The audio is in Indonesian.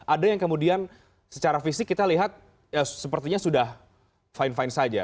ada yang kemudian secara fisik kita lihat sepertinya sudah fine fine saja